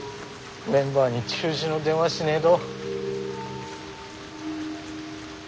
メンバーに中止の電話しねえど。